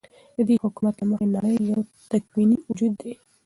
ددي حكومت له مخې نړۍ يو تكويني وجود دى ،